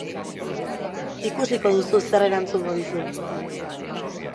Ikusiko duzu zer erantzungo dizun.